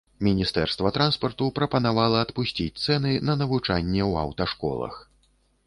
Міністэрства транспарту прапанавала адпусціць цэны на навучанне ў аўташколах.